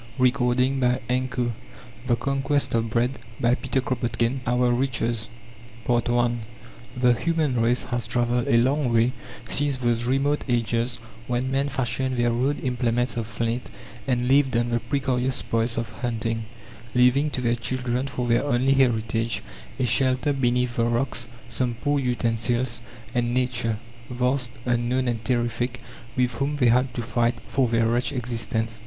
January, 1913. THE CONQUEST OF BREAD CHAPTER I OUR RICHES I The human race has travelled a long way, since those remote ages when men fashioned their rude implements of flint and lived on the precarious spoils of hunting, leaving to their children for their only heritage a shelter beneath the rocks, some poor utensils and Nature, vast, unknown, and terrific, with whom they had to fight for their wretched existence.